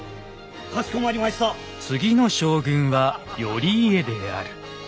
次の将軍は頼家である。